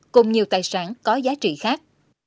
cùng nhiều tài sản có giá trị khác